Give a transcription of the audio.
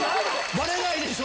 バレないでしょ？